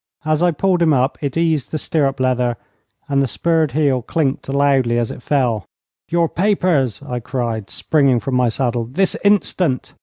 As I pulled him up it eased the stirrup leather, and the spurred heel clinked loudly as it fell. 'Your papers!' I cried, springing from my saddle. 'This instant!'